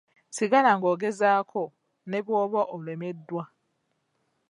Sigala ng'ogezaako ne bwoba olemeddwa.